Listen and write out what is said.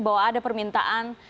bahwa ada permintaan